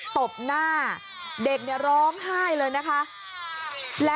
ตบหน้าเด็กร้องไห้เลยนะคะ